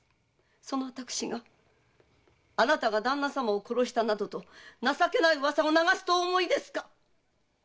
その私があなたが旦那様を殺したなどと情けない噂を流すとお思いですか